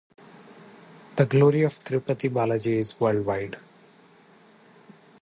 The glory of Tirupati Balajee is worldwide.